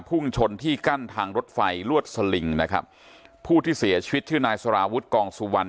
พุ่งชนที่กั้นทางรถไฟลวดสลิงนะครับผู้ที่เสียชีวิตชื่อนายสารวุฒิกองสุวรรณ